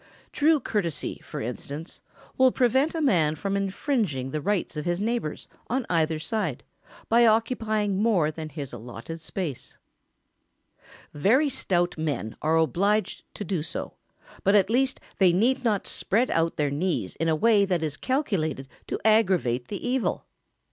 ] True courtesy, for instance, will prevent a man from infringing the rights of his neighbours on either side by occupying more than his own allotted space. [Sidenote: The man who wants all the room.] Very stout men are obliged to do so, but at least they need not spread out their knees in a way that is calculated to aggravate the evil.